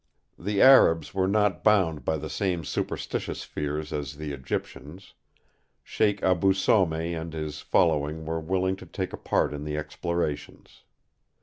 The Arabs were not bound by the same superstitious fears as the Egyptians; Sheik Abu Some and his following were willing to take a part in the explorations.